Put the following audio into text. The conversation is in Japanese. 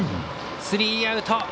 スリーアウト。